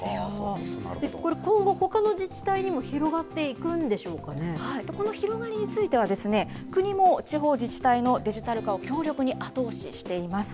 これ、今後、ほかの自治体にこの広がりについては、国も地方自治体のデジタル化を強力に後押ししています。